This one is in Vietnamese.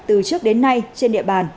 từ trước đến nay trên địa bàn